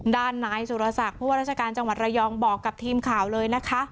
ด้านนายสุรศักดิ์ผู้ว่าราชการจังหวัดระยองบอกกับทีมข่าวเลยนะคะ